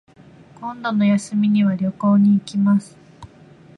今度の休みには旅行に行きます